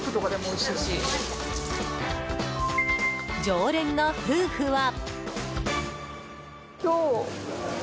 常連の夫婦は。